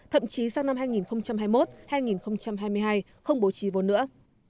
thậm chí sang năm hai nghìn hai mươi một hai nghìn hai mươi hai không bố trí vốn nữa